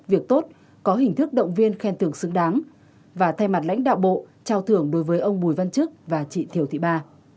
việc tốt có hình thức động viên khen tưởng xứng đáng và thay mặt lãnh đạo bộ trao thưởng đối với ông bùi văn chức và chị thiều thị ba